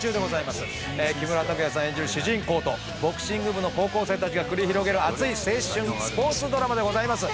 木村拓哉さん演じる主人公とボクシング部の高校生たちが繰り広げる熱い青春スポーツドラマでございます。